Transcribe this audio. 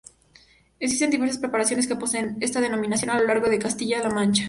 Existen diversas preparaciones que poseen esta denominación a lo largo de Castilla-La Mancha.